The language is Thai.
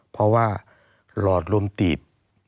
เพราะว่าหลอดลมตีบ